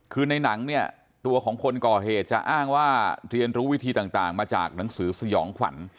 คือในหนังเนี่ยตัวของคนก่อเหตุจะอ้างว่าเรียนรู้วิธีต่างมาจากหนังสือสยองขวัญ